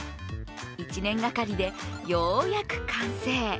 １年がかりでようやく完成。